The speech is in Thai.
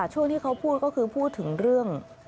ช่วงที่เขาพูดก็คือพูดถึงเรื่อง